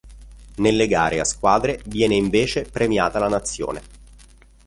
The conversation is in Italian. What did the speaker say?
Nelle gare a squadre viene invece premiata la nazione.